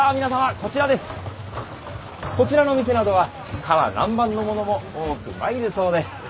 こちらの店などは唐南蛮のものも多く参るそうで！